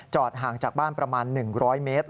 ห่างจากบ้านประมาณ๑๐๐เมตร